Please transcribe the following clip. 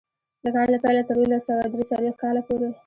د کار له پیله تر اوولس سوه درې څلوېښت کاله پورې.